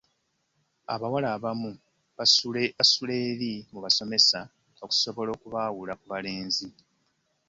Abawala abamu baasula eri mu basomesa okusobola okubaawula ku balenzi.